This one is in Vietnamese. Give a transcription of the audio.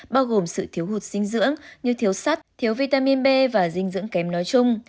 bao gồm sự thiếu hụt dinh dưỡng như thiếu sắt thiếu vitamin b và dinh dưỡng kém nói chung